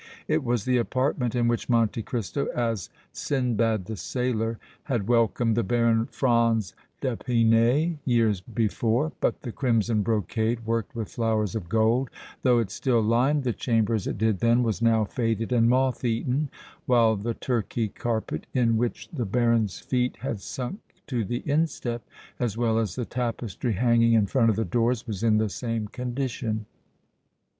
It was the apartment in which Monte Cristo as Sinbad the Sailor had welcomed the Baron Franz d' Epinay years before, but the crimson brocade, worked with flowers of gold, though it still lined the chamber as it did then, was now faded and moth eaten, while the Turkey carpet in which the Baron's feet had sunk to the instep, as well as the tapestry hanging in front of the doors, was in the same condition.